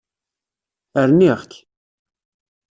Rniɣ-k.